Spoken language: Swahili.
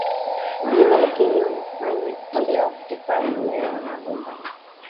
njema lakini unafanyaje pale Waafrika wenyewe wanagombania